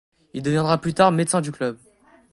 Il deviendra plus tard médecin du club.